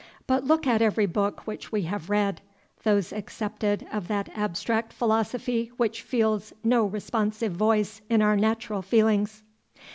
But look at every book which we have read, those excepted of that abstract philosophy which feels no responsive voice in our natural feelings.